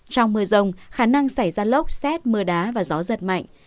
trong mưa rồng khả năng xảy ra lốc xét mưa đá và gió rất mạnh